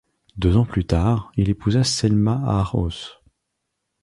Deux ans plus tard, il épousa Selma Haarhaus.